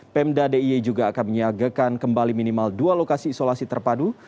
pemda d i e juga akan menyiagakan kembali minimal dua lokasi isolasi terpadu